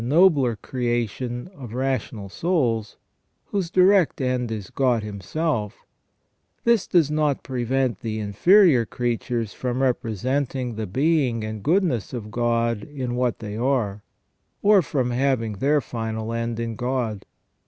55 nobler creation of rational souls, whose direct end is God Him self, this does not prevent the inferior creatures from representing the being and goodness of God in what they are ; or from having their final end in God.